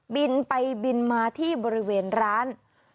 บินไปบินมาที่บริเวณร้าน